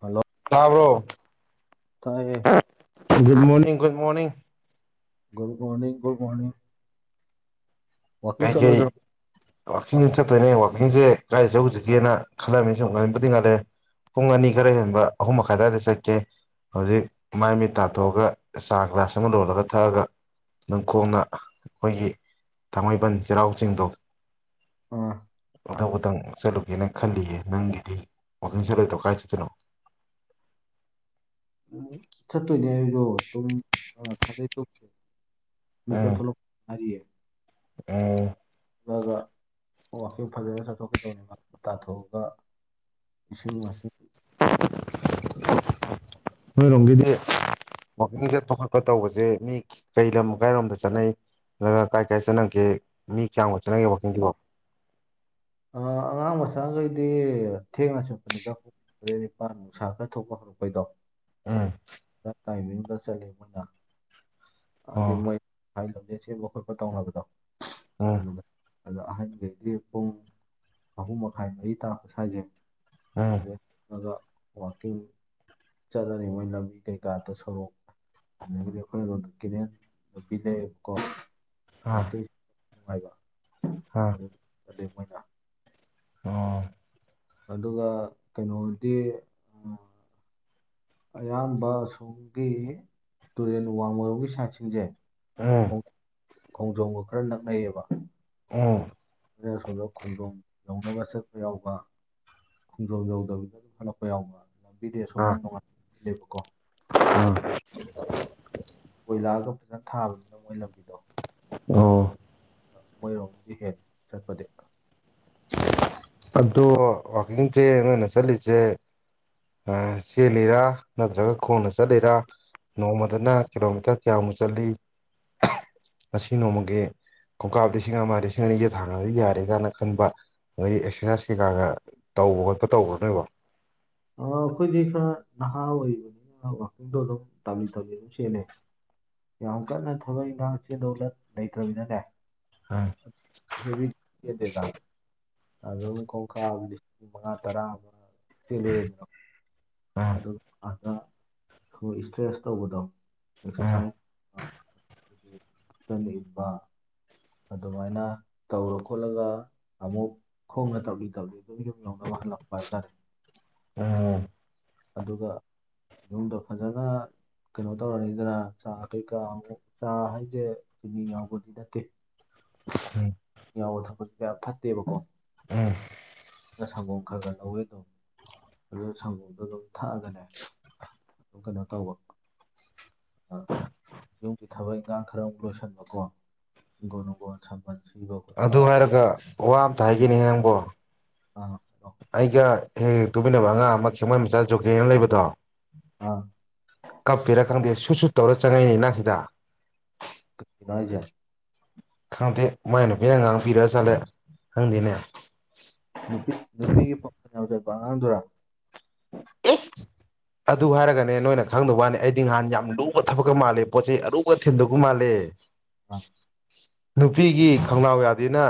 Hello ꯇꯥꯕꯔꯣ ꯇꯥꯏꯌꯦ good morning good morning good morning good morning ꯋꯥꯛꯀꯤꯡ ꯀꯩ ꯀꯩ ꯆꯠꯂꯣꯏꯗ꯭ꯔꯣ ꯋꯥꯛꯀꯤꯡꯖꯦ ꯆꯠꯇꯣꯏꯅꯦ ꯋꯥꯀꯤꯡꯖꯦ ꯀꯥꯏꯗ ꯆꯧꯖꯤꯒꯦꯅ ꯈꯜꯂꯝꯃꯤꯅꯦ ꯁꯨꯝ ꯉꯟꯕꯨꯗꯤ ꯉꯜꯂꯦ ꯄꯨꯡ ꯑꯅꯤ ꯈꯔ ꯍꯦꯟꯕ ꯑꯍꯨꯝ ꯃꯈꯥꯏ ꯑꯗꯨꯋꯥꯏꯗ ꯆꯠꯀꯦ ꯍꯧꯖꯤꯛ ꯃꯥꯏ ꯃꯤ ꯇꯥꯊꯣꯛꯑꯒ ꯆꯥ ꯒ꯭ꯂꯥꯁ ꯑꯃ ꯂꯣꯜꯂꯒ ꯊꯛꯑꯒ ꯅꯅꯨꯡꯀꯣꯡꯅ ꯑꯩꯈꯣꯏꯒꯤ ꯊꯥꯡꯃꯩꯕꯟ ꯆꯩꯔꯥꯎ ꯆꯤꯡꯗꯣ ꯑꯥ ꯑꯊꯪꯧꯕꯇꯪ ꯆꯠꯂꯨꯒꯦꯅ ꯈꯜꯂꯤꯌꯦ ꯅꯪꯒꯤꯗꯤ ꯋꯥꯀꯤꯡ ꯆꯠꯂꯣꯏꯗ꯭ꯔꯣ ꯀꯥꯏꯁꯤꯗꯅꯣ ꯆꯠꯇꯣꯏꯅꯦ ꯑꯩꯗꯣ ꯑꯗꯨꯝ ꯊꯥꯗꯩꯀꯞ ꯊꯣꯛꯂꯛꯄ ꯑꯔꯤꯌꯦ ꯑ ꯆꯠꯂꯒ ꯋꯥꯀꯤꯡ ꯐꯖꯅ ꯆꯠꯊꯣꯛꯀꯗꯧꯅꯤ ꯇꯥꯊꯣꯛꯑꯒ ꯏꯁꯤꯡ ꯃꯥꯏꯁꯤꯡ ꯅꯣꯏꯔꯣꯝꯒꯤꯗꯤ ꯋꯥꯀꯤꯡ ꯁꯠꯄ ꯈꯣꯠꯄ ꯇꯧꯕꯖꯦ ꯃꯤ ꯀꯩꯂꯝ ꯀꯥꯏꯔꯣꯝꯗ ꯆꯠꯅꯩ ꯅ ꯀꯥꯏ ꯀꯥꯏ ꯆꯠꯅꯒꯦ ꯃꯤ ꯀꯌꯥꯝꯃꯨꯛ ꯆꯠꯅꯒꯦ ꯋꯥꯀꯤꯡꯗꯨꯕꯣ ꯑ ꯑꯉꯥꯡ ꯃꯆꯥꯈꯩꯗꯤ ꯊꯦꯡꯅ ꯆꯨꯝꯄꯅꯤ ꯀ [unintelligible] ꯅꯤꯄꯥꯟ ꯅꯨꯡꯁꯥ ꯈꯔ ꯊꯣꯛꯄ ꯍꯧꯔꯛꯄꯩꯗꯣ ꯎꯝ ꯇꯥꯏꯃꯤꯡꯗ ꯆꯠꯂꯦ ꯃꯣꯏꯅ ꯍꯥꯏꯗꯤ ꯑꯣ ꯃꯣꯏ ꯁꯋꯥꯏ ꯂꯝ ꯖꯦꯟ ꯆꯦꯟꯕ ꯈꯣꯠꯄ ꯇꯧꯅꯕꯗꯣ ꯑꯗꯨꯗ ꯑꯗꯣ ꯑꯍꯟꯒꯩꯗꯤ ꯄꯨꯡ ꯑꯍꯨꯝ ꯃꯈꯥꯏ ꯃꯔꯤ ꯇꯔꯥꯛꯄ ꯁꯥꯏꯖꯦ ꯑꯥ ꯉꯒ ꯋꯀꯤꯡ ꯆꯠꯅꯔꯤ ꯃꯣꯏ ꯂꯝꯕꯤ ꯀꯩꯀꯥꯗ ꯁꯣꯔꯣꯛ ꯀꯔꯗ ꯅꯨꯡꯉꯥꯏꯕ [unintelligible] ꯃꯣꯏꯅ ꯑꯣ ꯑꯗꯨꯒ ꯀꯩꯅꯣꯗꯤ ꯑꯌꯥꯝꯕ ꯑꯁꯣꯝꯒꯤ ꯇꯨꯔꯦꯜ ꯋꯥꯡꯃꯔꯣꯝꯒꯤ ꯁꯥꯏꯠꯁꯤꯡꯁꯦ ꯑꯥ ꯈꯣꯡꯖꯣꯝꯒ ꯈꯔ ꯅꯛꯅꯩꯑꯥꯕ ꯑꯦ ꯑꯗꯨꯗꯩ ꯑꯁꯣꯝ ꯈꯣꯡꯖꯣꯝ ꯌꯧꯅꯕ ꯆꯠꯄ ꯌꯥꯎꯕ ꯈꯣꯡꯖꯣꯝ ꯌꯧꯗꯕꯤꯗ ꯑꯗꯨꯝ ꯍꯜꯂꯛꯄ ꯌꯥꯎꯕ ꯂꯝꯕꯤꯗꯦꯁꯣꯟꯅꯉꯥꯏꯕꯀꯣ ꯑꯥ ꯀꯣꯏꯂꯥꯒ ꯐꯖꯅ ꯊꯥꯕꯅꯤꯅ ꯃꯣꯏ ꯂꯝꯕꯤꯗꯣ ꯑꯣ ꯃꯣꯏꯔꯣꯝꯒꯗꯤ ꯍꯦꯜꯂꯤ ꯆꯠꯄꯗꯤ ꯑꯗꯨ ꯋꯥꯛꯀꯤꯡꯁꯦ ꯅꯣꯏꯅ ꯆꯠꯂꯤꯁꯦ ꯆꯦꯜꯂꯤꯔ ꯅꯠꯇ꯭ꯔꯒ ꯈꯣꯡꯅ ꯆꯠꯂꯤꯔ꯫ ꯅꯣꯡꯃꯗꯅ ꯀꯤꯂꯣꯃꯤꯇꯔ ꯀꯌꯥꯃꯨꯛ ꯆꯠꯂꯤ ꯉꯁꯤ ꯅꯣꯡꯃꯒꯤ ꯈꯣꯡꯀꯥꯞ ꯂꯤꯁꯤꯡ ꯑꯃ ꯂꯤꯁꯤꯡ ꯑꯅꯤꯖꯦ ꯊꯥꯡꯉꯗꯤ ꯌꯥꯔꯦꯒꯥꯅ ꯈꯟꯕ ꯅꯣꯏꯗꯤ ꯑꯦꯛꯁꯔꯁꯥꯏꯁ ꯀꯩꯀꯥꯒ ꯇꯧꯕ ꯈꯣꯠꯄ ꯇꯧꯕ꯭ꯔꯣ ꯅꯣꯏꯕꯣ꯫ ꯑꯩꯈꯣꯏꯗꯤ ꯈꯔ ꯅꯍꯥ ꯑꯣꯏꯔꯤꯕꯅꯤꯅ ꯋꯥꯛꯀꯤꯡꯗꯣ ꯑꯗꯨꯝ ꯇꯝꯕꯤ ꯇꯝꯂꯤ ꯑꯗꯨꯝ ꯁꯦꯠꯟꯅꯩ ꯌꯥꯝ ꯀꯟꯅ ꯊꯕꯛ ꯏꯈꯥꯡ ꯆꯦꯟꯗꯧ ꯂꯩꯇ꯭ꯔꯕꯤꯅꯤꯗꯅꯦ ꯑ꯫ ꯍꯦꯕꯤꯗꯗꯤ ꯆꯦꯟꯗꯦꯗ ꯈꯣꯡꯀꯥꯞ ꯃꯉꯥ ꯇꯔꯥ ꯑꯃ ꯆꯦꯜꯂꯨꯔꯦꯗꯅ ꯎꯝ ꯑꯗꯨ ꯑꯗ ꯁꯣꯏ ꯏꯁꯇ꯭ꯔꯦꯁ ꯇꯧꯕꯗꯣ ꯑꯦꯁ ꯎꯝ ꯁꯥꯡ [unintelligible] ꯇ ꯂꯩꯕ ꯑꯗꯨꯃꯥꯏꯅ ꯇꯧꯔ ꯈꯣꯠꯂꯒ ꯑꯃꯨꯛ ꯈꯣꯡꯅ ꯇꯧꯔꯤ ꯇꯧꯔꯤ ꯑꯗꯨꯝ ꯌꯨꯝ ꯌꯧꯅꯕ ꯍꯜꯂꯛꯄ ꯍꯥꯏꯇꯥꯔꯦ ꯎꯝ꯫ ꯑꯗꯨꯒ ꯌꯨꯝꯗ ꯐꯖꯅ ꯀꯩꯅꯣ ꯇꯧꯔꯅꯤꯗꯅ ꯆꯥ ꯀꯩꯀꯥ ꯑꯃꯨꯛ ꯆꯥ ꯍꯥꯏꯖꯦ ꯆꯤꯅꯤ ꯌꯥꯎꯕꯗꯤ ꯅꯠꯇꯦ꯫ ꯎꯝ꯫ ꯌꯥꯎꯕ ꯊꯛꯄ ꯀꯌꯥ ꯐꯠꯇꯦꯕꯀꯣ꯫ ꯎꯝ꯫ ꯁꯪꯒꯣꯝ ꯈꯒ ꯈꯒ ꯂꯧꯒꯦ ꯇꯧꯕꯅꯦ ꯑꯗꯨꯒ ꯁꯪꯒꯣꯝ꯫ ꯑꯗꯨ ꯑꯗꯨꯝ ꯊꯛꯑꯒꯅꯦ ꯑꯗꯨꯝ ꯀꯩꯅꯣ ꯇꯧꯕ ꯑ ꯌꯨꯝꯒꯤ ꯊꯕꯛ ꯏꯪꯈꯥꯡ ꯈꯔꯃꯨꯛ ꯂꯣꯏꯁꯟꯕꯀꯣ ꯍꯤꯡꯒꯣꯜ ꯅꯨꯡꯒꯣꯜ ꯁꯝꯕꯜ ꯁꯤꯕ ꯈꯣꯠꯄ ꯑꯗꯨ ꯍꯥꯏꯔꯒ ꯋꯥ ꯑꯝꯇ ꯍꯥꯏꯒꯅꯤꯉꯤ ꯅꯪꯕꯣ ꯑ ꯑꯩꯒ ꯍꯌꯦꯡ ꯇꯨꯃꯤꯟꯅꯕ ꯑꯉꯥꯡ ꯑꯃ ꯈꯦꯡꯃꯩ ꯃꯆꯥ ꯖꯣꯒꯦꯅ ꯂꯩꯕꯗꯣ ꯑꯥ꯫ ꯀꯞꯄꯤꯔꯥ ꯈꯪꯗꯦ ꯁꯨ ꯁꯨ ꯇꯧꯔ ꯆꯪꯛꯏꯅꯤ ꯅꯪ ꯁꯤꯗ ꯀꯩꯒꯤꯅꯣ ꯍꯥꯏꯖꯦ꯫ ꯈꯪꯗꯦ ꯃꯥꯏ ꯅꯨꯄꯤꯅ ꯉꯥꯡ ꯄꯤꯔ ꯆꯠꯂꯦ ꯈꯪꯗꯦꯅꯦ ꯅꯨꯄꯤ ꯅꯨꯄꯤꯒꯤ ꯄꯈꯣꯟ ꯌꯥꯝ ꯆꯠꯄ ꯑꯉꯥꯡꯗꯨꯔꯥ꯫ ꯑꯗꯨ ꯍꯥꯏꯔꯒꯅꯦ ꯅꯣꯏꯅ ꯈꯪꯗꯕ ꯋꯥꯅꯤ ꯑꯩꯗꯤ ꯅꯍꯥꯟ ꯌꯥꯝ ꯂꯨꯕ ꯊꯕꯛꯀ ꯃꯥꯜꯂꯦ ꯄꯣꯠ ꯆꯩꯩ ꯑꯔꯨꯕ ꯊꯤꯟꯗꯣꯛꯄ ꯃꯥꯜꯂꯦ ꯑ ꯅꯨꯄꯤꯒꯤ ꯈꯣꯡꯅꯥꯎ ꯌꯥꯗꯦꯅ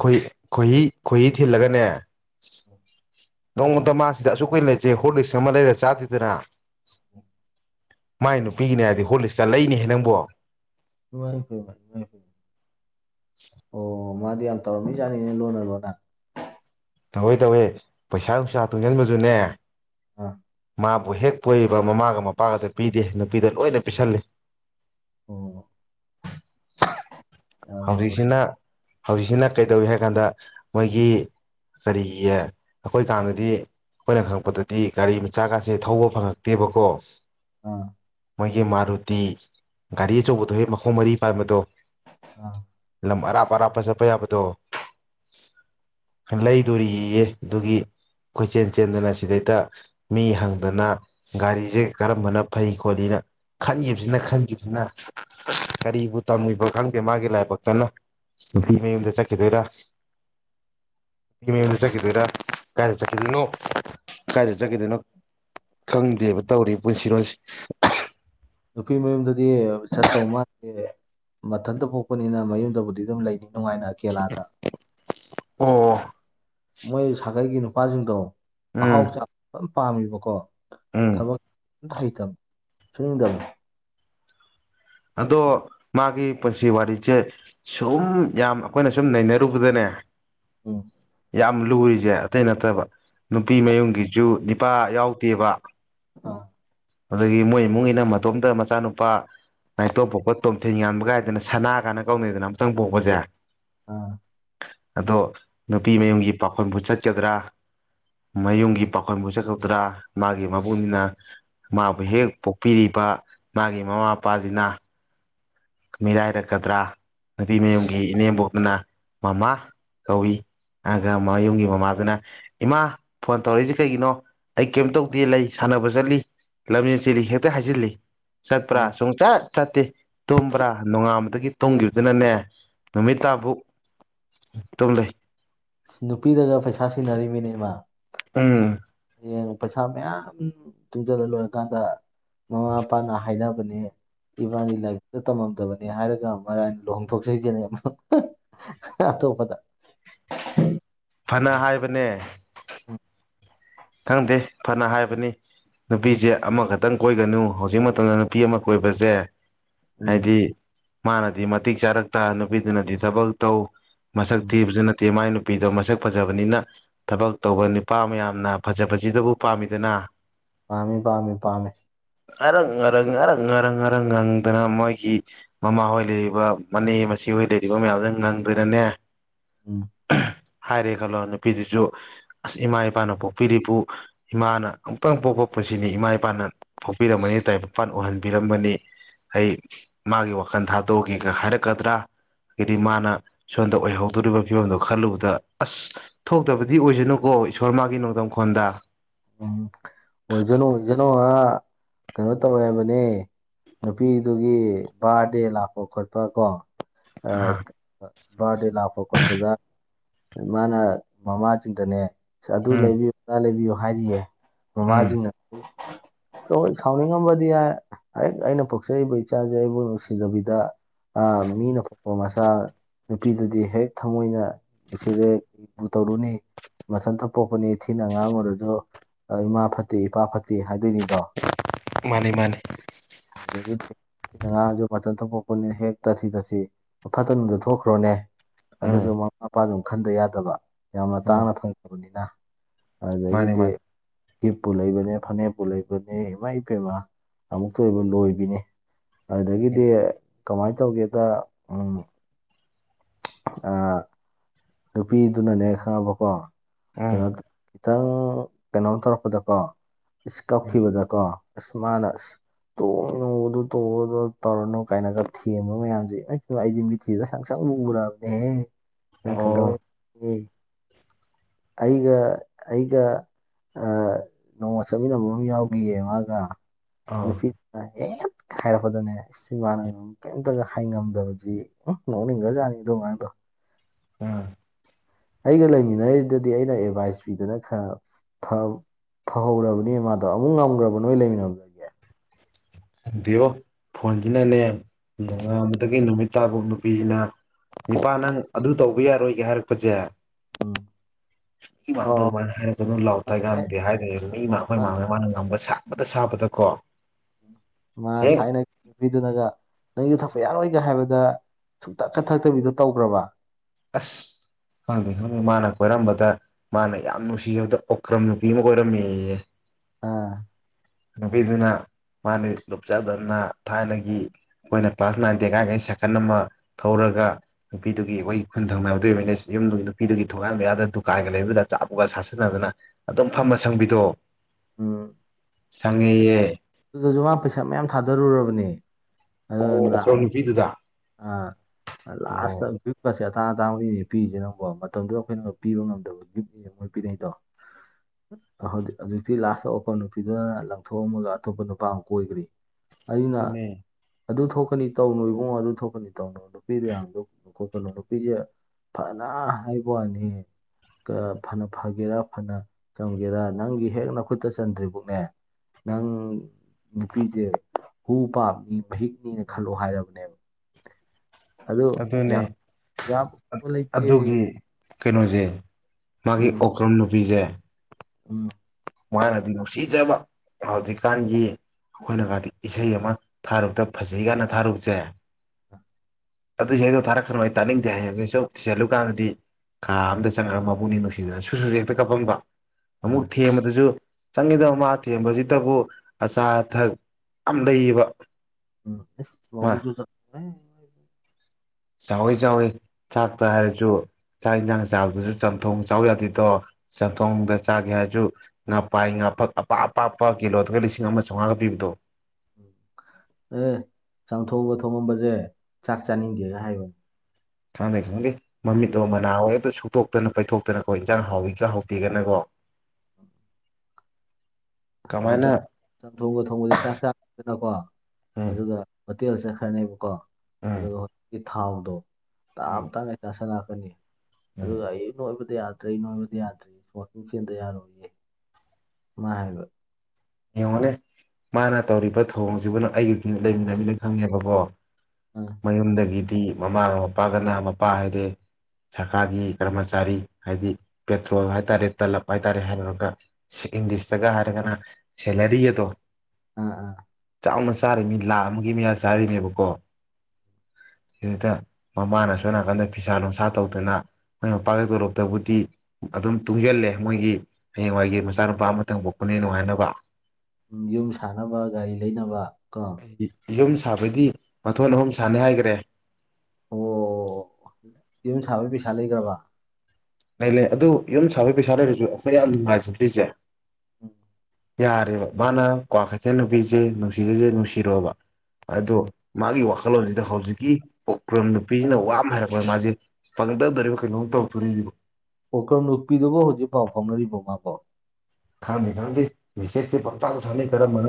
ꯈꯣꯏ ꯈꯣꯏꯍꯤ ꯈꯣꯏꯍꯤ ꯊꯤꯜꯂꯒꯅꯦ ꯅꯣꯡꯃꯇ ꯁꯤꯗ ꯑꯁꯨꯛ ꯀꯨꯏꯅ ꯂꯩꯖꯦ ꯍꯣꯂꯤꯛꯁ ꯑꯃ ꯂꯩꯔ ꯆꯥꯗꯦꯗꯅ꯫ ꯃꯥꯏ ꯅꯨꯄꯤꯒꯤꯅꯦ ꯍꯥꯏꯗꯤ ꯍꯣꯠ ꯂꯤꯁꯀ ꯂꯩꯅꯤꯍꯦ ꯅꯪꯕꯣ ꯃꯥꯉꯥꯏ ꯐ ꯃꯥꯅꯤꯦꯉꯦ ꯐ ꯑꯣ ꯃꯥꯗꯤ ꯌꯥꯝ ꯇꯧꯔꯝꯃꯤꯖꯠꯅꯤꯅꯦ ꯂꯣꯟꯅ ꯂꯣꯟꯅ꯫ ꯇꯧꯋꯦ ꯇꯧꯋꯏ ꯄꯩꯁꯥ ꯅꯨꯡꯁꯥ ꯇꯨꯡꯁꯤꯟꯕꯗꯨꯅꯦ ꯑ ꯃꯥꯕꯨ ꯍꯦꯛ ꯄꯣꯏꯕ ꯃꯃꯥꯒ ꯃꯄꯥꯒꯗ ꯄꯤꯗꯦ ꯅꯨꯄꯤꯗ ꯂꯣꯏꯅ ꯄꯤꯁꯜꯂꯤ ꯑꯣ ꯌꯥꯝꯅ ꯅꯨꯡꯁꯤ ꯍꯧꯐꯁꯤꯅ ꯍꯧꯖꯤꯛꯁꯤꯅ ꯀꯩꯗꯧꯋꯏ ꯍꯥꯏ ꯀꯥꯟꯗ ꯃꯣꯏꯒꯤ ꯀꯔꯤꯒꯤꯌꯦ ꯑꯩꯈꯣꯏꯀꯥꯟꯗꯗꯤ ꯑꯩꯈꯣꯏꯅ ꯈꯪꯉꯛꯄꯗꯗꯤ ꯀꯔꯤ ꯆꯥꯛꯀꯥꯁꯦ ꯊꯧꯕ ꯐꯪꯉꯛꯇꯦꯕꯀꯣ ꯑꯥ ꯃꯣꯏꯒꯤ ꯃꯥꯔꯨꯇꯤ ꯒꯥꯔꯤ ꯑꯆꯧꯕꯗꯣ ꯍꯦ ꯃꯈꯣꯡ ꯃꯔꯤ ꯄꯥꯟꯕꯗꯣ꯫ ꯑ ꯂꯝ ꯑꯔꯥꯞ ꯑꯔꯥꯞꯄ ꯆꯠꯄ ꯌꯥꯕꯗꯣ ꯂꯩꯗꯣꯔꯤꯌꯦ ꯑꯗꯨꯒꯤ ꯀꯣꯏꯆꯦꯟ ꯆꯦꯟꯗꯅ ꯁꯤꯗꯩꯗ ꯃꯤ ꯍꯪꯗꯅ ꯒꯥꯔꯤꯖꯦ ꯀꯔꯝꯕꯅ ꯐꯩ ꯈꯣꯠꯂꯤꯅ ꯈꯟꯒꯤꯕꯖꯤꯅ ꯈꯟꯒꯤꯕꯖꯤꯅ ꯀꯔꯤꯕꯨ ꯇꯝꯃꯤꯕꯣ ꯈꯪꯗꯦ ꯃꯥꯒꯤ ꯂꯥꯏꯕꯛꯇꯅ ꯅꯨꯄꯤ ꯃꯌꯨꯝꯗ ꯆꯠꯈꯤꯗꯣꯏꯔꯥ ꯅꯨꯄꯤ ꯃꯌꯨꯝꯗ ꯆꯠꯈꯤꯗꯣꯏꯔꯥ ꯀꯥꯏꯗ ꯆꯠꯈꯤꯗꯣꯏꯅꯣ ꯀꯥꯏꯗ ꯆꯠꯈꯤꯗꯣꯏꯅꯣ ꯈꯪꯗꯦꯕ ꯇꯧꯔꯤ ꯄꯨꯟꯁꯤꯔꯣꯟꯁꯤ ꯅꯨꯄꯤ ꯃꯌꯨꯝꯗꯗꯤ ꯆꯠꯇꯧ ꯃꯥꯟꯗꯦ ꯃꯊꯟꯇ ꯄꯣꯛꯄꯅꯤꯅ ꯃꯌꯨꯝꯗꯕꯨꯗꯤ ꯑꯗꯨꯝ ꯂꯩꯅꯤ ꯅꯨꯡꯉꯥꯏꯅ ꯀꯦꯂꯥꯗ ꯑꯣ ꯃꯣꯏ ꯁꯥꯒꯩꯒꯤ ꯅꯨꯄꯥꯖꯤꯡꯗꯣ ꯑꯍꯥꯎ ꯎꯝ ꯆꯥ ꯄꯥꯝꯃꯤꯕꯀꯣ ꯎꯝ ꯊꯕꯛ ꯑꯝꯇꯥ ꯍꯩꯇꯕ ꯁꯨꯅꯤꯡꯗꯕ ꯑꯗꯣ ꯃꯥꯒꯤ ꯄꯨꯟꯁꯤ ꯋꯥꯔꯤꯖꯦ ꯁꯨꯝ ꯌꯥꯝ ꯑꯩꯈꯣꯏꯅ ꯁꯨꯝ ꯅꯩꯅꯔꯨꯕꯗꯅꯦ ꯑꯝ ꯌꯥꯝ ꯂꯨꯔꯤꯖꯦ ꯑꯇꯩ ꯅꯠꯇꯕ ꯅꯨꯄꯤ ꯃꯌꯨꯝꯒꯤꯁꯨ ꯅꯨꯄꯥ ꯌꯥꯎꯗꯦꯕ ꯑꯥ ꯑꯗꯒꯤ ꯃꯣꯏ ꯏꯃꯨꯡꯒꯤꯅ ꯃꯇꯣꯝꯇ ꯃꯆꯥꯅꯨꯄꯥ ꯅꯥꯥꯏꯇꯣꯝꯄꯣꯛꯄ ꯇꯣꯝꯊꯤꯟ ꯉꯥꯟꯕ ꯀꯥꯏꯗꯅ ꯁꯅꯥ ꯀꯥꯏꯅ ꯀꯧꯅꯩꯗꯅ ꯑꯝꯇꯪ ꯄꯣꯛꯄꯖꯦ ꯑꯥ ꯑꯗꯣ ꯅꯨꯄꯤ ꯃꯌꯨꯝꯒꯤ ꯄꯥꯎꯈꯣꯟꯕꯨ ꯆꯠꯀꯗ꯭ꯔꯥ ꯃꯌꯨꯝꯒꯤ ꯄꯥꯎꯈꯣꯟꯕꯨ ꯆꯠꯀꯧꯗ꯭ꯔꯥ ꯃꯥꯒꯤ ꯃꯕꯨꯛꯅꯤꯅ ꯃꯥꯕꯨ ꯍꯦꯛ ꯄꯣꯛꯄꯤꯔꯤꯕ ꯃꯥꯒꯤ ꯃꯃꯥ ꯃꯄꯥꯖꯤꯅ ꯃꯤꯔꯥꯏꯔꯛꯀꯗ꯭ꯔꯥ ꯅꯨꯄꯤ ꯎꯝ ꯃꯌꯨꯝꯒꯤ ꯏꯅꯦꯝꯕꯣꯛꯇꯅ ꯃꯃꯥ ꯀꯧꯏ ꯑꯗꯨꯒ ꯃꯌꯨꯝꯒꯤ ꯃꯃꯥꯗꯅ ꯏꯃꯥ ꯐꯣꯟ ꯇꯧꯔꯛꯏꯖꯤ ꯀꯩꯒꯤꯅꯣ ꯑꯩ ꯀꯩꯝ ꯇꯧꯗꯦ ꯂꯩ ꯁꯥꯟꯅꯕ ꯆꯠꯂꯤ ꯂꯝꯖꯦꯟ ꯆꯤꯜꯂꯤ ꯍꯦꯛꯇ ꯍꯥꯏꯖꯤꯜꯂꯤ ꯆꯠꯄ꯭ꯔꯥ ꯎꯝ ꯁꯨꯝ ꯆꯠ ꯆꯠꯇꯦ ꯇꯨꯝꯕ꯭ꯔꯥ ꯅꯣꯡꯉꯥꯥꯟꯕꯗꯒꯤ ꯇꯨꯝꯒꯤꯕꯗꯨꯅꯅꯦ ꯅꯨꯃꯤꯠ ꯇꯥꯐꯨꯛ ꯇꯨꯝꯂꯩ ꯅꯨꯄꯤꯗꯒ ꯄꯩꯁꯥ ꯁꯤꯟꯅꯔꯤꯕꯅꯦ ꯏꯃꯥ ꯑꯨꯡ ꯍꯌꯦꯡ ꯄꯩꯁꯥ ꯃꯌꯥꯝ ꯇꯨꯡꯖꯤꯜꯂ ꯂꯣꯏꯔꯀꯥꯟꯗ ꯃꯃꯥ ꯃꯄꯥꯅ ꯍꯥꯏꯅꯕꯅꯦ ꯏꯕꯥꯅꯤ ꯂꯥꯏꯔꯤꯛꯇ ꯇꯝꯃꯝꯗꯕꯅꯤ ꯍꯥꯏꯔꯒ ꯃꯔꯥꯏꯅ ꯂꯨꯍꯣꯡꯊꯣꯛꯆꯒꯖꯅꯦ ꯑꯇꯣꯞꯄꯗ [unintelligible] ꯐꯅ ꯍꯥꯏꯕꯅꯦ ꯎꯝ ꯈꯪꯗꯦ ꯐꯅ ꯍꯥꯏꯕꯅꯤ ꯅꯨꯄꯤꯖꯦ ꯑꯃꯈꯛꯇꯪ ꯀꯣꯏꯒꯅꯨ ꯍꯧꯖꯤꯛ ꯃꯇꯝꯗ ꯅꯨꯄꯤ ꯑꯃ ꯀꯣꯏꯕꯖꯦ ꯎꯝ ꯍꯥꯏꯗꯤ ꯃꯥꯅꯗꯤ ꯃꯇꯤꯛ ꯆꯥꯔꯛꯇ ꯅꯨꯄꯤꯗꯨꯅꯗꯤ ꯊꯕꯛ ꯇꯧ ꯃꯁꯛ ꯎꯝ ꯊꯤꯕꯁꯨ ꯅꯠꯇꯦ ꯃꯥꯏ ꯅꯨꯄꯤꯗꯣ ꯃꯁꯛ ꯐꯖꯕꯅꯤꯅ ꯊꯕꯛ ꯇꯧꯕ ꯅꯨꯄꯥ ꯃꯌꯥꯝꯅ ꯐꯖꯕꯁꯤꯗꯕꯨ ꯄꯥꯝꯃꯤꯗꯅ ꯄꯥꯝꯃꯤ ꯄꯥꯝꯃꯤ ꯄꯥꯝꯃꯤ ꯉꯔꯥꯡ ꯉꯔꯥꯡ ꯉꯔꯥꯡ ꯉꯔꯥꯡ ꯉꯔꯥꯡ ꯉꯪꯗꯅ ꯃꯣꯏꯒꯤ ꯃꯃꯥꯍꯣꯏ ꯂꯩꯔꯤꯕ ꯃꯅꯦ ꯃꯆꯦꯍꯣꯏ ꯂꯩꯔꯤꯕ ꯃꯌꯥꯝꯗꯨꯅ ꯉꯪꯗꯅꯅꯦ ꯎꯝ ꯍꯥꯏꯔꯦ ꯈꯜꯂꯣ ꯅꯨꯄꯤꯗꯨꯁꯨ ꯑꯁ ꯏꯃꯥ ꯏꯄꯥꯅꯄꯨ ꯄꯤꯔꯤꯕꯨ ꯏꯃꯥꯅ ꯑꯃꯨꯛꯇꯪ ꯄꯣꯛꯄ ꯄꯨꯟꯁꯤꯅꯤ ꯏꯃꯥ ꯏꯄꯥꯅ ꯐꯣꯛꯄꯤꯔꯝꯃꯅꯤ ꯇꯥꯏꯕꯪ ꯄꯥꯟ ꯎꯍꯟꯕꯤꯔꯝꯕꯅꯤ ꯑꯩ ꯃꯥꯒꯤ ꯋꯥꯈꯜ ꯊꯥꯗꯣꯛꯒꯦꯒ ꯍꯥꯏꯔꯛꯀꯗ꯭ꯔꯥ ꯍꯥꯏꯗꯤ ꯃꯥꯅ ꯁꯣꯝꯗ ꯑꯣꯏꯍꯧꯗꯣꯔꯤꯕ ꯐꯤꯕꯝꯗꯣ ꯈꯜꯂꯨꯕꯗ ꯑꯁ ꯊꯣꯛꯇꯕꯗꯤ ꯑꯣꯏꯖꯅꯨꯀꯣ ꯏꯁꯣꯔ ꯃꯥꯒꯤ ꯅꯣꯡꯗꯝꯈꯣꯟꯗ ꯎꯝ ꯑꯣꯏꯖꯅꯣ ꯑꯣꯏꯖꯅꯣ ꯑ ꯀꯩꯅꯣ ꯇꯧꯋꯦ ꯍꯥꯢꯕꯅꯦ ꯅꯨꯄꯤꯗꯨꯒꯤ ꯕꯥꯔꯗꯦ ꯂꯥꯛꯄ ꯈꯣꯠꯄ ꯀꯣ ꯑ ꯑꯥ ꯕꯥꯔꯗꯦ ꯂꯥꯛꯄ ꯈꯣꯠꯄꯗ ꯃꯥꯅ ꯃꯃꯥꯆꯤꯡꯗꯅꯦ ꯑꯗꯨ ꯎꯝ ꯂꯩꯕꯤꯌꯨ ꯂꯩꯕꯤꯌꯨ ꯍꯥꯏꯔꯤꯌꯦ ꯃꯃꯥꯖꯤꯡꯅ [inaudible] ꯂꯣꯢ ꯁꯥꯎꯅꯤꯡꯉꯝꯕꯗꯤ ꯌꯥꯏ ꯍꯦꯛ ꯑꯩꯅ ꯄꯣꯛꯆꯔꯤꯕ ꯏꯆꯥꯖꯦ ꯑꯩꯕꯨ ꯅꯨꯡꯁꯤꯗꯕꯤꯗ ꯑ ꯃꯤꯅ ꯄꯣꯛꯄ ꯃꯆꯥ ꯅꯨꯄꯤꯗꯨꯗꯤ ꯍꯦꯛ ꯊꯃꯣꯏꯅ ꯅꯨꯡꯁꯤꯔꯦ ꯂꯨꯅ ꯇꯧꯔꯨꯅꯤ ꯃꯊꯟꯇ ꯄꯣꯛꯄꯅꯤ ꯊꯤꯅ ꯉꯥꯡꯉꯨꯔꯖꯨ ꯏꯃꯥ ꯐꯠꯇꯦ ꯏꯄꯥ ꯐꯠ ꯇꯦ ꯍꯥꯏꯗꯣꯏꯅꯤꯗꯣ ꯃꯥꯅꯤ ꯃꯥꯅꯤ ꯑꯗꯒꯤ ꯊꯤꯅ ꯉꯥꯡꯉꯁꯨ ꯃꯊꯟꯇ ꯄꯣꯛꯄꯅꯤ ꯍꯦꯛ ꯇꯥꯊꯤ ꯇꯥꯊꯤ ꯐꯠꯇ ꯅꯨꯡꯗ ꯊꯣꯛꯈ꯭ꯔꯣꯅꯦ ꯎꯝ ꯑꯗꯨꯖꯨ ꯃꯃꯥ ꯃꯄꯥꯗꯨꯅ ꯈꯟꯗ ꯌꯥꯗꯕ ꯌꯥꯝꯅ ꯎꯝ ꯇꯥꯡꯅ ꯐꯪꯖꯕꯅꯤꯅ ꯃꯥꯅꯤ ꯑꯗꯒꯤꯗꯤ ꯃꯥꯅꯤ ꯒꯤꯞꯄꯨ ꯂꯩꯕꯅꯦ ꯐꯅꯦꯛꯄ ꯂꯩꯕꯅꯦ ꯏꯃꯥꯢꯄꯦꯝꯃꯥ ꯑꯃꯨꯛꯇꯣꯏꯕ ꯂꯣꯏꯕꯤꯅꯤ ꯑꯗꯨꯗꯒꯤꯗꯤ ꯀꯃꯥꯏꯅ ꯇꯧꯒꯦꯗ ꯑ ꯅꯨꯄꯤꯗꯨꯅꯅꯦ ꯈꯪꯉꯕꯀꯣ ꯎꯝ ꯀꯩꯅꯣ ꯈꯤꯇꯪ ꯀꯩꯅꯣꯝ ꯇꯧꯔꯛꯄꯗꯀꯣ ꯏꯁ ꯀꯞꯈꯤꯕꯗ ꯀꯣ ꯏꯁ ꯃꯥꯅ ꯢꯁ [inaudible] ꯑꯗꯨ ꯇꯧꯔꯅꯣ ꯀꯥꯏꯅꯒ ꯊꯦꯝꯕ ꯃꯌꯥꯝꯖꯦ ꯢꯃꯥꯢꯄꯦꯝꯃꯥ ꯑꯩꯗꯤ ꯃꯤꯁꯤꯗ ꯁꯪ ꯁꯪ ꯎꯔꯕꯅꯦꯍꯦ ꯅꯪ ꯈꯪꯗꯕꯩ ꯑꯣ ꯅꯦ ꯑꯩꯒ ꯑꯩꯒ ꯅꯣꯡꯃ ꯆꯠꯃꯤꯟꯅꯕ ꯑꯃ ꯌꯥꯎꯒꯤꯌꯦ ꯃꯥꯒ ꯑꯥ ꯅꯨꯄꯤ ꯑꯦꯍꯦꯛ ꯍꯥꯢꯔꯛꯄꯗꯅꯦ [unintelligible] ꯀꯩꯝꯇꯒ ꯍꯥꯏꯉꯝꯗꯕꯖꯦ ꯎꯝꯍ ꯅꯣꯛꯅꯤꯡꯒ꯭ꯔꯥꯖꯥꯅꯤ ꯑꯗꯨ ꯑꯉꯥꯡꯗꯣ ꯑꯥ ꯑꯩꯒ ꯂꯩꯃꯤꯟꯅꯔꯤꯗꯨꯗꯤ ꯑꯩꯅ ꯑꯦꯗꯚꯥꯏꯁ ꯄꯤꯗꯅ ꯈꯔ ꯐ ꯐꯍꯧꯔꯕꯅꯦ ꯃꯥꯗꯣ ꯑꯃꯨꯛ ꯉꯝꯒ꯭ꯔꯕꯣ ꯅꯣꯏ ꯂꯩꯃꯤꯟꯅꯕ ꯈꯪꯗꯦꯌꯣ ꯐꯣꯟꯖꯤꯅꯅꯦ ꯅꯣꯡꯉꯥꯥꯟꯕꯗꯒꯤ ꯅꯨꯃꯤꯠ ꯇꯥꯚꯧ ꯅꯨꯄꯤꯖꯤꯅ ꯅꯤꯄꯥ ꯅꯪ ꯑꯗꯨ ꯇꯧꯕ ꯌꯥꯔꯣꯏꯒ ꯍꯥꯏꯔꯛꯄꯖꯦ ꯎꯝ ꯃꯤ ꯃꯥꯡꯗ ꯑꯣ ꯑꯗꯨꯃꯥꯏꯅ ꯍꯥꯏꯔꯛꯄꯅꯣ ꯂꯥꯎꯇ ꯒꯥꯟꯗꯤ [unintelligible] ꯃꯤ ꯃꯥꯡ ꯑꯩꯈꯣꯏ ꯃꯃꯥꯡꯗ ꯃꯥꯅ ꯉꯝꯕ ꯁꯥꯕꯗ ꯁꯥꯕꯗꯀꯣ ꯃꯥ ꯍꯦꯛ ꯊꯥꯏꯅꯩ ꯅꯨꯄꯤꯗꯨꯅꯒ ꯅꯪ ꯌꯨ ꯊꯛꯄ ꯌꯥꯔꯣꯏꯒ ꯍꯥꯏꯕꯗ ꯁꯨꯡꯇꯛꯀ ꯊꯛꯇꯕꯤꯗꯣ ꯇꯧꯒ꯭ꯔꯥꯕ ꯑꯁ ꯈꯪꯗꯦ ꯈꯪꯗꯦ ꯃꯥꯅ ꯀꯣꯏꯔꯝꯕꯗ ꯃꯥꯅ ꯌꯥꯝ ꯅꯨꯡꯁꯤꯖꯕꯗ ꯑꯣꯀ꯭ꯔꯝ ꯅꯨꯄꯤ ꯑꯃ ꯀꯣꯏꯔꯝꯃꯦꯌꯦ ꯑꯥ ꯅꯨꯄꯤꯗꯨꯅ ꯃꯥꯗꯤ ꯂꯨꯞꯆꯗꯅ ꯊꯥꯏꯅꯒꯤ ꯑꯩꯈꯣꯏꯅ ꯀ꯭ꯂꯥꯁ ꯅꯥꯏꯟ ꯇꯦꯟ ꯀꯔꯤꯉꯩ ꯁꯥꯏꯀꯟ ꯑꯃ ꯊꯧꯔꯒ ꯅꯨꯄꯤꯗꯨꯒꯤ ꯑꯩꯈꯣꯏꯒꯤ ꯈꯨꯟ ꯊꯪꯅꯕꯗꯩ [unintelligible] ꯌꯨꯝꯗꯨꯒꯤ ꯅꯨꯄꯤꯗꯨꯒꯤ ꯊꯣꯡꯒꯥꯟ ꯃꯌꯥꯗ ꯗꯨꯀꯥꯟꯒ ꯂꯩꯕꯗꯨꯗ ꯑꯆꯥꯄꯣꯠꯒ ꯆꯤꯁꯟꯅꯗꯅ ꯑꯗꯨꯝ ꯐꯝꯃ ꯁꯪꯕꯤꯗꯣ ꯎꯝ ꯁꯪꯉꯦꯌꯦ ꯑꯗꯨꯗꯖꯨ ꯃꯥ ꯄꯩꯁꯥ ꯃꯌꯥꯝ ꯊꯥꯗꯔꯨꯔꯕꯅꯦ ꯑꯣ ꯑꯗꯨꯅ ꯑꯣꯀ꯭ꯔꯝ ꯅꯨꯄꯤꯗꯨꯗ ꯂꯥꯁ ꯑ ꯂꯥꯁꯇ ꯑꯣ ꯒꯤ ꯀꯁꯦ ꯑꯇꯥꯡ ꯑꯇꯥꯡꯕꯅꯤꯅꯦ ꯄꯤꯔꯤꯖꯦ ꯅꯪꯕꯣ ꯃꯇꯝꯗꯨꯗ ꯑꯩꯈꯣꯏꯅꯒ ꯄꯤꯕ ꯉꯝꯗꯕ ꯒꯤꯐꯅꯤꯅꯦ ꯃꯣꯏ ꯄꯤꯅꯩꯗꯣ ꯍꯧꯖꯤꯛ ꯍꯧꯖꯤꯛꯇꯤ ꯂꯥꯁꯇ ꯑꯣꯀꯔꯝ ꯅꯨꯄꯤꯗꯨꯅ ꯂꯪꯊꯣꯛꯑꯝꯃꯒ ꯑꯇꯣꯞꯄ ꯅꯨꯄꯥ ꯑꯃ ꯀꯣꯏꯒ꯭ꯔꯦꯌꯦ ꯑꯩꯅ ꯑꯗꯨꯅꯦ ꯑꯗꯨ ꯊꯣꯛꯀꯅꯤ ꯇꯧꯅꯣ ꯏꯕꯨꯡꯉꯣ ꯑꯗꯨ ꯊꯣꯛꯀꯅꯤ ꯇꯧꯅꯣ ꯅꯨꯄꯤꯗ ꯌꯥꯝ ꯂꯨꯞꯀꯅꯣ ꯈꯣꯠꯀꯅꯣ ꯅꯨꯄꯤꯗꯤ ꯐꯥꯅ ꯍꯥꯏꯕ ꯋꯥꯅꯤ ꯐꯅ ꯐꯒꯦꯔꯥ ꯐꯅ ꯈꯪꯒꯦꯔ ꯅꯪꯒꯤ ꯍꯦꯛ ꯅꯈꯨꯨꯠꯇ ꯆꯟꯗ꯭ꯔꯤꯕꯨꯛꯅꯦ ꯅꯪ ꯅꯨꯄꯤꯁꯦ ꯍꯨ ꯄꯥꯝꯅꯤ ꯃꯍꯤꯛꯅꯤꯅ ꯈꯜꯂꯣ ꯍꯥꯏꯔꯕꯅꯦꯕ ꯑꯗꯣ ꯑꯗꯨꯅꯦ ꯌꯥ ꯌꯥꯕ ꯐꯩ ꯑꯗꯨꯒꯤ ꯀꯩꯅꯣꯁꯦ ꯃꯥꯒꯤ ꯑꯣꯀ꯭ꯔꯝ ꯅꯨꯄꯤꯁꯦ ꯎꯨꯝ ꯃꯥꯅꯗꯤ ꯅꯨꯡꯁꯤꯖꯕ ꯍꯧꯖꯤꯛꯀꯥꯟꯒꯤ ꯑꯩꯈꯣꯏꯅ ꯀꯗꯤ ꯏꯁꯩ ꯑꯃ ꯊꯥꯔꯨꯕꯗ ꯐꯖꯩ ꯀꯥꯟꯅ ꯊꯥꯔꯨꯕꯁꯦ ꯑꯗꯨꯁꯨ ꯏꯁꯩꯗꯣ ꯊꯥꯔꯛꯀꯅꫭ ꯑꯩ ꯇꯥꯅꯤꯡꯗꯦ ꯍꯩꯅꯤꯡꯗꯦ ꯆꯠꯂꯨ ꯊꯤꯖꯤꯟꯂꯨ ꯀꯥꯟꯗꯗꯤ ꯀꯥ ꯑꯃꯗ ꯆꯪꯉꯛꯒ ꯃꯕꯨꯛꯅꯤꯡ ꯅꯨꯡꯁꯤꯗꯅ ꯁꯨꯠ ꯁꯨꯠ ꯍꯦꯛꯇ ꯀꯞꯄꯕ ꯑ ꯑꯃꯨꯛ ꯊꯦꯡꯕꯗ ꯁꯨ ꯆꯪꯉꯤꯗꯕ ꯃꯥ ꯊꯦꯝꯕꯁꯤꯗꯕꯨ ꯑꯆꯥ ꯑꯊꯛ ꯌꯥꯝ ꯂꯩꯌꯦꯕ ꯎꯝ ꯆꯦ ꯃꯥ [inaudible] ꯆꯥꯎꯋꯤ ꯆꯥꯎꯋꯤ ꯆꯥꯛꯇ ꯍꯥꯏꯔꯁꯨ ꯆꯥꯛ ꯌꯦꯟꯁꯥꯡ ꯆꯥꯕꯗꯁꯨ ꯆꯝꯊꯣꯡ ꯆꯥꯎ ꯌꯥꯗꯦꯗꯣ ꯆꯦꯟꯊꯣꯡꯗ ꯆꯥꯒꯦ ꯍꯥꯏꯔꯁꯨ ꯉꯥ ꯄꯥꯏ ꯉꯥꯐꯥꯛ ꯑꯄꯥꯞ ꯑꯄꯥꯞꯄ ꯀꯤꯂꯣꯗꯒ ꯂꯤꯁꯤꯡ ꯑꯃ ꯆꯥꯎꯉꯥ ꯄꯤꯕꯗꯣ ꯑꯦ ꯆꯝꯊꫭꯡꯀ ꯊꯣꯡꯉꯝꯕꯁꯦ ꯆꯥꯛ ꯆꯥꯅꯤꯡꯗꯦꯅ ꯍꯥꯏꯕꯅꯦ ꯈꯪꯗꯦ ꯈꯪꯗꯦ ꯃꯃꯤꯠꯇꯣ ꯃꯅꯥꯍ ꯑꯝꯇ ꯁꯨꯛꯇꯣꯛꯇꯅ ꯄꯩꯊꯣꯛꯇꯅꯀꯣ ꯏꯟꯁꯥꯡ ꯍꯥꯎꯋꯒ ꯍꯥꯎꯗꯦꯒꯅꯀꯣ [inaudible] ꯆꯝꯊꯣꯡꯕ ꯊꯣꯡꯕꯗꯤ ꯆꯥꯛ ꯆꯥꯗꯅꯀꯣ ꯎꯝ ꯑꯗꯨꯒ ꯍꯣꯇꯦꯜ ꯆꯠꯈ꯭ꯔꯅꯦꯕꯀꯣ ꯎꯝ ꯑꯗꯨꯒ ꯍꫭꯇꯦꯟꯒꯤ ꯊꯥꯎꯗꯣ ꯇꯥꯞ ꯎꯝ ꯇꯥ ꯆꯥꯁꯤꯜꯂꯒꯥ ꯂꯥꯛꯇꫭꯏꯅꯤ ꯎꯝ ꯑꯗꯨꯒ ꯑꯩ ꯅꫭꯏꯕꯗ ꯌꯗꯔꯦ ꯌꯥꯇꯩꯔꯤ ꯅꯣꯏꯕꯗꯤ ꯌꯥꯗ꯭ꯔꯦ ꯋꯥꯀꯤꯡ ꯆꯦꯟꯗ ꯌꯥꯔꯥꯔꯣꯏꯌꯦ ꯃꯥ ꯍꯥꯏꯕ ꯌꯦꯡꯉꯣꯅꯦ ꯃꯥꯅ ꯇꯧꯔꯤꯕ ꯊꯧꯑꯣꯡꯁꯤꯕꯨꯅ ꯑꯩꯒꯤ ꯂꯩꯃꯤꯟꯅꯃꯤꯅ ꯈꯪꯉꯦꯕꯀꯣ ꯎ ꯃꯌꯨꯝꯗꯒꯤꯗꯤ ꯃꯃꯥꯒ ꯃꯄꯥꯒꯅ ꯃꯄꯥ ꯍꯥꯏꯔꯦ ꯁꯔꯀꯥꯔꯒꯤ ꯀꯔꯃꯆꯥꯔꯤ ꯍꯥꯏꯗꯤ ꯄꯦꯇ꯭ꯔꯣꯜ ꯍꯥꯏꯇꯥꯔꯦ ꯇꯂꯞ ꯍꯥꯏꯇꯥꯔꯦ ꯍꯥꯏꯔꯨꯔꯒ ꯏꯪꯂꯤꯁꯇ ꯀ ꯍꯥꯏꯔꯒꯅ ꯁꯦꯂꯥꯔꯤꯗꯣ ꯑꯥ ꯑꯥ ꯆꯥꯎꯅ ꯆꯥꯔꯤ ꯃꯤ ꯂꯥꯛ ꯑꯃꯒꯤ ꯃꯌꯥ ꯆꯥꯔꯤꯅꯦꯕꯀꯣ ꯁꯤꯗ ꯃꯃꯥꯅ ꯁꯣꯟꯅꯥꯀꯟꯗ ꯐꯤꯁꯥ ꯅꯨꯡꯁꯥ ꯇꯧꯗꯅ ꯃꯣꯏ ꯃꯄꯥꯒ ꯇꯣꯂꯣꯞꯇꯕꯨꯗꯤ ꯑꯗꯨꯝ ꯇꯨꯡꯁꯤꯜꯂꯦ ꯃꯣꯏꯒꯤ ꯍꯌꯦꯡꯋꯥꯏꯒꯤ ꯃꯆꯥꯅꯨꯄꯥ ꯑꯃꯇꯪ ꯄꯣꯛꯄꯅ ꯅꯨꯡꯉꯥꯏꯅꯕ ꯌꯨꯝ ꯁꯥꯟꯅꯕ ꯒꯥꯔꯤ ꯂꯩꯅꯕ ꯀꯣ ꯌꯨꯝ ꯁꯥꯕꯩꯗꯤ ꯃꯊꯣꯟ ꯑꯍꯨꯝ ꯁꯥꯅꯤ ꯍꯥꯏꯈ꯭ꯔꯦ ꯑꯣ ꯌꯨꯝ ꯁꯥꯕꯒꯤ ꯄꯩꯁꯥ ꯂꯩꯈ꯭ꯔꯕ ꯂꯩ ꯂꯩ ꯑꯗꯨ ꯌꯨꯝ ꯁꯥꯕꯒꯤ ꯄꯩꯁꯥ ꯂꯩꯔꯁꯨ ꯑꯩꯈꯣꯏ ꯌꯥꯝ ꯅꯨꯡꯉꯥꯏꯖꯗꯔꯤ ꯁꯦ [unintelligible] ꯌꯥꯔꯦꯕ ꯃꯥꯅ ꯀ꯭ꯋꯥ ꯀꯩꯊꯦꯜ ꯅꯨꯄꯤꯁꯦ ꯅꯨꯡꯁꯤꯖꯔꯤꯁꯦ ꯅꯨꯡꯁꯤꯔꯣꯕ ꯑꯗꯣ ꯎꯝ. ꯃꯥꯒꯤ ꯋꯥꯈꯜꯂꯣꯟꯁꯤꯗ ꯍꯧꯖꯤꯛꯀꯤ ꯑꫭꯀꯔꯝ ꯅꯨꯄꯤꯁꯤꯅ ꯋꯥ ꯍꯥꯏꯔꯛꯄꯗ ꯃꯥꯁꯦ ꯄꯪꯗꯥꯗꫭꯔꯤꯕ ꯀꯩꯅꯣꯝ ꯇꯧꯗꫭꯔꯤꯕ ꯑꯣꯀꯔꯝ ꯅꯨꯄꯤꯗꯨꯕꯨ ꯍꯧꯖꯤꯛ ꯄꯥꯎ ꯐꯥꯎꯅꯔꯤꯕ ꯃꯥꯕꫭ ꯈꯪꯗꯦ ꯈꯪꯗꯦ ꯃꯦꯁꯦꯁꯇꯤ ꯄꯪꯊꯥꯇ ꯊꯥꯅꯩ ꯀꯔꯝꯕꯅꯣ